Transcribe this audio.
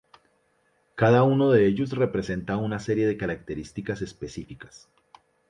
Cada uno de ellos representa una serie de características específicas.